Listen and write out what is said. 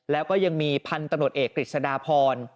แล้วก็ยังมีพันธุ์ตำรวจเอกกฤษฎาพร